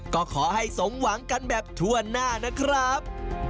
ก็ขอให้สมหวังกันแบบทั่วหน้านะครับ